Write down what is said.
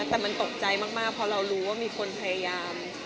แต่มันตกใจมากเพราะเรารู้ว่ามีคนพยายาม